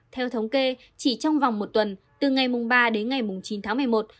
theo thống kê chỉ trong vòng một tuần từ ngày ba đến ngày chín tháng một mươi một